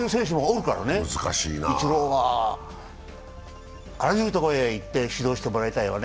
イチローはあらゆるところへ行って指導してもらいたいわね。